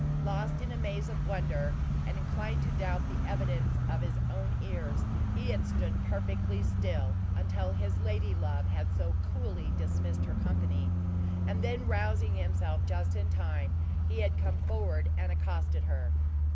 Lost in a maze of wonder, and inclined to doubt the evidence of his own ears, he had stood perfectly still, until his ladylove had so coolly dismissed her company, and then rousing himself just in time, he had come forward and accosted her.